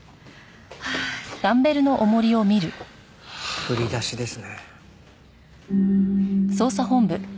振り出しですね。